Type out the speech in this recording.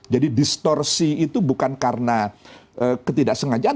jadi distorsi itu bukan karena ketidaksengajaan